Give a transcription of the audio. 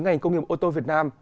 ngành công nghiệp ô tô việt nam